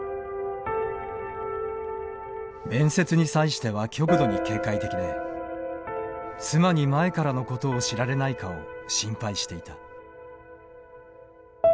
面接に際しては極度に警戒的で妻に前からのことを知られないかを心配していた。